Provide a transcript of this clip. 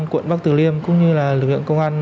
quận bắc tử liêm cũng như là lực lượng công an